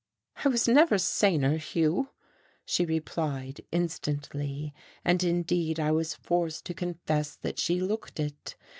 "I was never saner, Hugh," she replied instantly. And indeed I was forced to confess that she looked it.